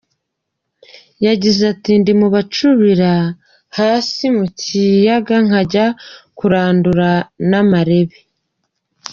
Yagize ati “Ndi mu bacubira hasi mu Kiyaga nkajya kurandurana amarebe.